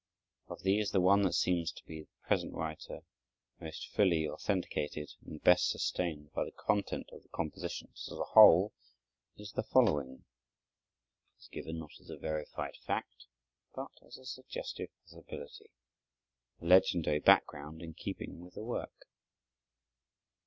Of these, the one that seems to the present writer most fully authenticated and best sustained by the content of the compositions as a whole is the following. It is given, not as a verified fact, but as a suggestive possibility, a legendary background in keeping with the work.